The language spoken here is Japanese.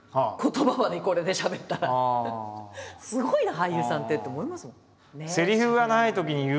すごいな俳優さんってって思いますもん。